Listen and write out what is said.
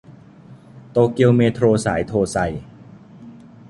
โตเกียวเมโทรสายโทไซ